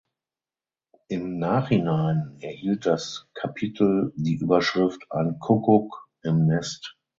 Im Nachhinein erhielt das Kapitel die Überschrift „Ein Kuckuck im Nest“.